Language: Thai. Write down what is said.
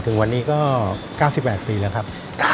ถึงวันนี้ก็๙๘ปีแล้วครับ